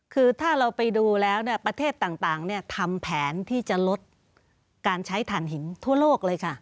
คือถ้าเราไปดูแล้วประเทศต่างทำแผนที่จะลดการใช้ฐานหินทั่วโลกเลยค่ะ